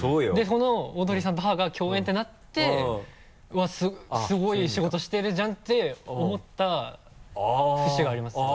そのオードリーさんと母が共演ってなって「うわっすごい仕事してるじゃん」って思った節がありますね。